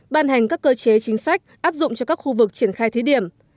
ban hành các cơ chế chính sách áp dụng cho các khu vực triển khai thí điểm